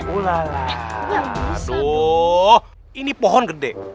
ulah lah aduh ini pohon gede